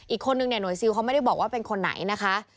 อีกคนนึงเนี่ยหน่วยซิลเขาไม่ได้บอกว่าเป็นคนไหนนะคะ